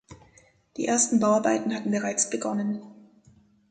Die ersten Bauarbeiten hatten bereits begonnen.